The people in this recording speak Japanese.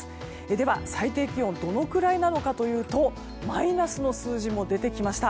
では最低気温がどのくらいかというとマイナスの数字も出てきました。